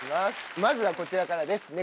まずはこちらからです